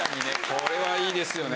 これはいいですよね。